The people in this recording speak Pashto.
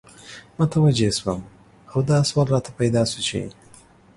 متوجه سوم او دا سوال راته پیدا سو چی